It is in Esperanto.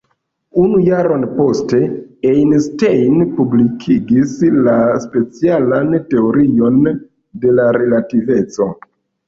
Unu jaron poste Einstein publikigis la specialan teorion de relativeco.